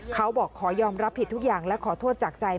เขาบอกขอยอมรับผิดทุกอย่างและขอโทษจากใจ